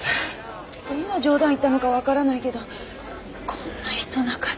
どんな冗談を言ったのか分からないけどこんな人なかで。